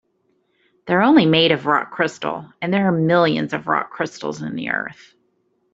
They're only made of rock crystal, and there are millions of rock crystals in the earth.